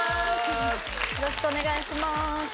よろしくお願いします。